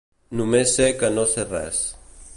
Només sé que no sé res.